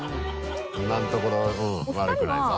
今のところ悪くないぞ。